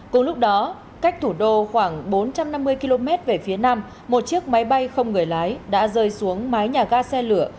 cùng lúc đó cách thủ đô khoảng bốn trăm năm mươi km về phía nam một chiếc máy bay không người lái đã rơi xuống mái nhà ga xe lửa